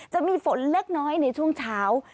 จะมีฝนเล็กน้อยในช่วงเช้า